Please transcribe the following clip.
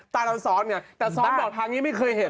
แต่ซ้อนบอกทางยังไม่เคยเห็น